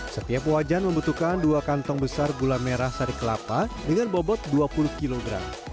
setiap wajan membutuhkan dua kantong besar gula merah sari kelapa dengan bobot dua puluh kg